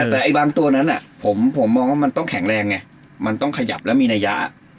แต่ไอ้บางตัวนั้นผมมองว่ามันต้องแข็งแรงไงมันต้องขยับแล้วมีนัยะ